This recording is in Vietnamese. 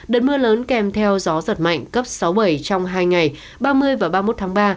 đợt mưa lớn kèm theo gió giật mạnh cấp sáu bảy trong hai ngày ba mươi và ba mươi một tháng ba